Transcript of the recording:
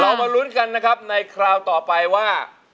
เรามะรุ้นกันนะครับในครอบต่อไปว่า